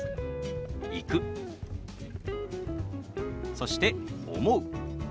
そして「思う」。